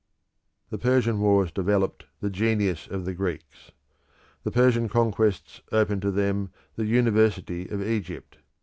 The Persian wars developed the genius of the Greeks. The Persian conquests opened to them the University of Egypt.